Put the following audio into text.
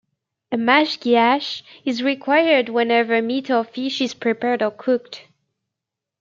A mashgiach is required whenever meat or fish is prepared or cooked.